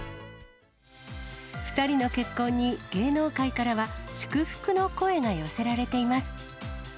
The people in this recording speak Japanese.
２人の結婚に芸能界からは、祝福の声が寄せられています。